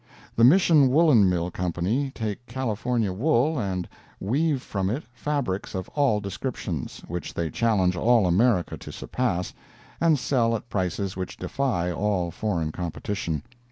The Mission Woolen Mill Company take California wool and weave from it fabrics of all descriptions, which they challenge all America to surpass, and sell at prices which defy all foreign competition.